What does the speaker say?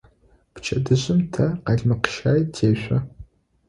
Пчэдыжьым тэ къалмыкъщай тешъо.